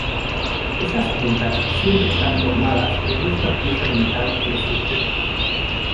Esas puntas siempre están formadas de la misma pieza de metal que la estructura.